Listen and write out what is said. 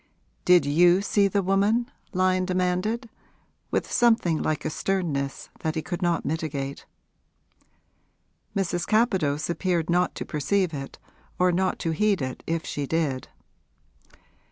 'Did you see the woman?' Lyon demanded, with something like a sternness that he could not mitigate. Mrs. Capadose appeared not to perceive it or not to heed it if she did.